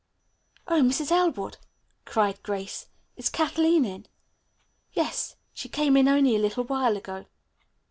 "Oh, Mrs. Elwood," cried Grace, "is Kathleen in?" "Yes; she came in only a little while ago."